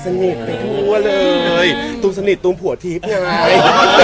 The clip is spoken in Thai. ตูมิดไปทั่วเลยตูมสนิทตูมผัวทีฟไง